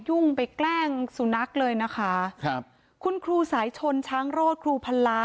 ยุ่งไปแกล้งสุนัขเลยนะคะครับคุณครูสายชนช้างโรธครูพันละ